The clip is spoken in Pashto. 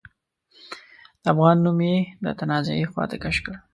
د افغان نوم يې د تنازعې خواته کش کړ.